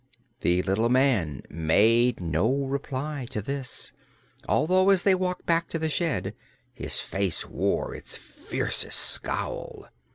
The little man made no reply to this, although as they walked back to the shed his face wore its fiercest scowl.